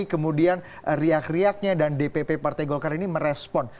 kemudian riak riaknya dan dpp partai golkar ini merespon